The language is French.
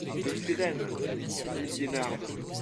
De sirènes, dit Liénarde.